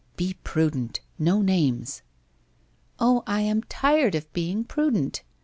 ' Be prudent. No names !'* Oh, I am tired of being prudent.